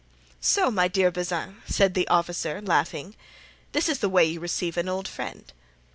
"So, my dear Bazin!" said the officer, laughing, "this is the way you receive an old friend."